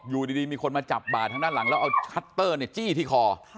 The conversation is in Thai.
อยู่ดีมีคนมาจับบ่าทางด้านหลังแล้วเอาชัตเตอร์จี้ที่คอ